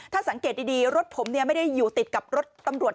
ถ้าสังเกตดีรถผมไม่ได้อยู่ติดกับรถตำรวจ